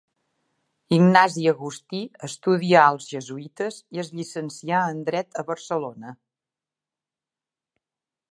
Ignasi Agustí estudià als jesuïtes i es llicencià en dret a Barcelona.